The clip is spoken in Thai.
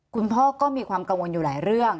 คุณพ่อก็มีความกังวลอยู่หลายเรื่อง